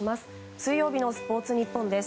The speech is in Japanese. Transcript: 水曜日のスポーツニッポンです。